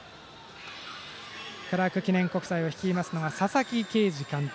クラーク記念国際を率いる佐々木啓司監督。